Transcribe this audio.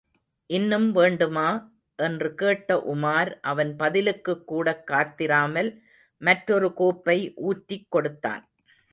இன்னும் வேண்டுமா? என்று கேட்ட உமார் அவன் பதிலுக்குக்கூடக் காத்திராமல் மற்றொரு கோப்பை ஊற்றிக் கொடுத்தான்.